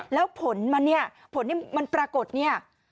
แล้วผลมันเนี่ยผลที่มันปรากฏเนี่ย